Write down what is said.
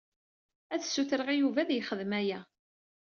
Ad sutreɣ i Yuba ad yexdem aya.